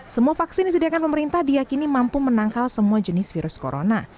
semua vaksin disediakan pemerintah diakini mampu menangkal semua jenis virus corona